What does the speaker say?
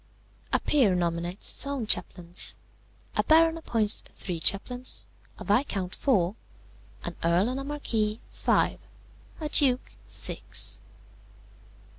"A peer nominates his own chaplains. A baron appoints three chaplains; a viscount four; an earl and a marquis five; a duke six.